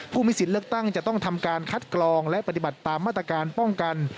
ผู้มีสิทธิ์เลือกตั้งจะต้องทำการคัดกรองและปฏิบัติตามมาตรการป้องกัน